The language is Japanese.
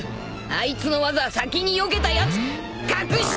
あいつの技先によけたやつ格下！